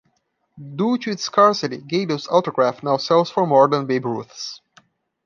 Due to its scarcity, Gaedel's autograph now sells for more than Babe Ruth's.